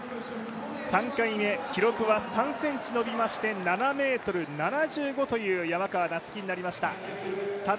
３回目、記録は３ｃｍ伸びまして７ｍ７５という山川夏輝になりました。